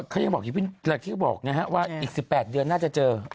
เขายังบอกที่เขาบอกนะฮะว่าอีก๑๘เดือนน่าจะเจอ